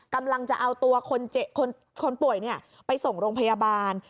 กำลังจะเอาตัวคนป่วยไปส่งโรงพยาบาล